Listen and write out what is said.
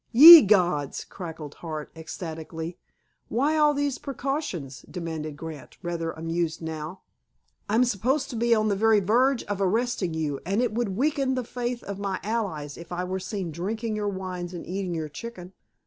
"Ye gods!" cackled Hart ecstatically. "Why all these precautions?" demanded Grant, rather amused now. "I'm supposed to be on the very verge of arresting you, and it would weaken the faith of my allies if I were seen drinking your wines and eating your chicken."